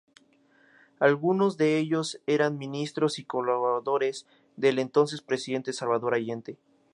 Algunos de ellos eran ministros y colaboradores del entonces Presidente Salvador Allende.